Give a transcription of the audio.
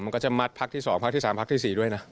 มันก็จะมัดพักที่สองพักที่สามพักที่สี่ด้วยนะ